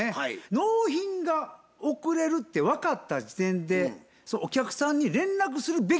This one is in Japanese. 納品が遅れるって分かった時点でお客さんに連絡するべきなんですよ。